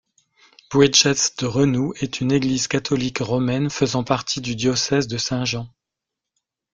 Bridget's de Renous est une église catholique romaine faisant partie du diocèse de Saint-Jean.